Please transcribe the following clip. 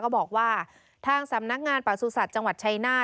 ก็บอกว่าทางสำนักงานประสุทธิ์สัตว์จังหวัดชัยหน้า